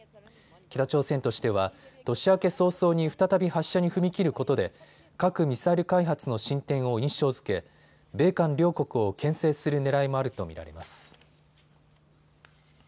北朝鮮としては年明け早々に再び発射に踏み切ることで核・ミサイル開発の進展を印象づけ米韓両国をけん制するねらいもあると見られます。